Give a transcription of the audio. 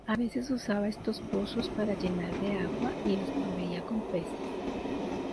A veces usaban estos pozos para llenar de agua y los proveían con peces.